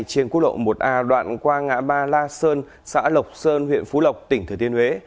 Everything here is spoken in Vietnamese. trên quốc lộ một a đoạn qua ngã ba la sơn xã lộc sơn huyện phú lộc tỉnh thừa thiên huế